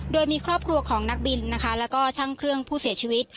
โดยมีครอบครัวของนักบินนะคะแล้วก็ช่างเครื่องผู้เสียชีวิต